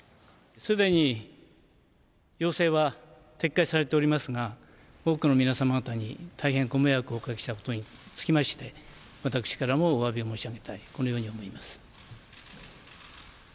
すでに要請は撤回されておりますが、多くの皆様方に大変ご迷惑をおかけしたことにつきまして、私からもおわびを申し上げたい、このように思います。